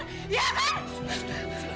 sudah sudah sudah